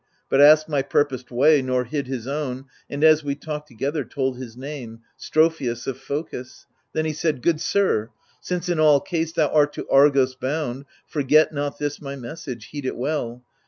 But asked my purposed way nor hid his own, And, as we talked together, told his name — Strophius of Phocis ; then he said, " Good sir. Since in all case thou art to Argos bound. Forget not this my message, heed it well.